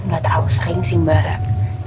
gak terlalu sering sih mbak